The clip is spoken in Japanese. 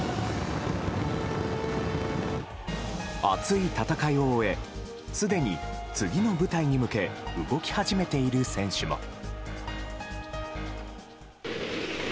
熱い戦いを終えすでに次の舞台に向け動き始めている選手も。